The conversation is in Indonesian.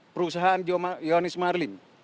perusahaan johannes marlim